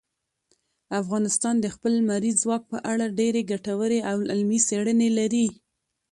افغانستان د خپل لمریز ځواک په اړه ډېرې ګټورې او علمي څېړنې لري.